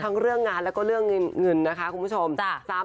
เรื่องงานแล้วก็เรื่องเงินนะคะคุณผู้ชม